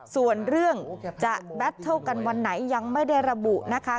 ส่วนเรื่องจะแบตเทิลกันวันไหนยังไม่ได้ระบุนะคะ